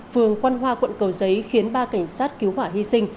phường quan hoa quận cầu giấy khiến ba cảnh sát cứu hỏa hy sinh